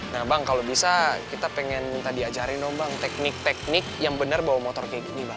nah bang kalau bisa kita pengen minta diajarin dong bang teknik teknik yang benar bawa motor kayak gini bang